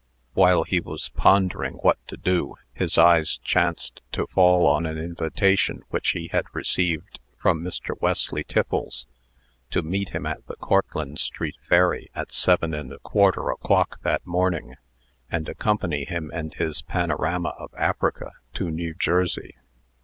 While he was pondering what to do, his eyes chanced to fall on an invitation which he had received from Mr. Wesley Tiffles, to meet him at the Cortlandt street ferry at seven and a quarter o'clock that morning, and accompany him and his panorama of Africa to New Jersey.